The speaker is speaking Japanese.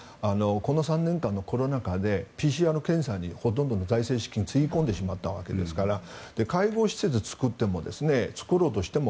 この３年間のコロナ禍の中でＰＣＲ検査にほとんどの財政資金をつぎ込んでしまったわけですから介護施設を作っても作ろうとしても